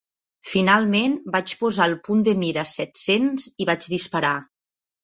Finalment, vaig posar el punt de mira a set-cents i vaig disparar